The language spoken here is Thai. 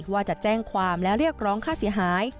ว่าจะแจ้งความและเรียกร้องค่าเสียหาย